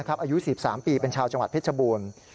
อายุ๑๓ปีเป็นชาวจังหวัดเพชรบูรณ์